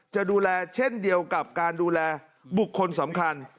จะดูแลเช่นเดียวกับการดูแลบุคคลสำคัญ